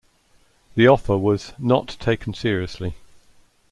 The offer was "not taken seriously".